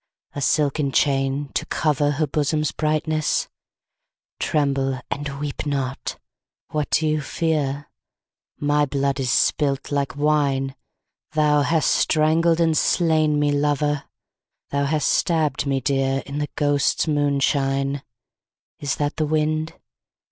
A silken chain, to cover Her bosom's brightness ? (Tremble and weep not : what dost thou fear ?)— My blood is spUt like wine, Thou hast strangled and slain me, lover. Thou hast stabbed me dear. In the ghosts' moonshine. Is that the wind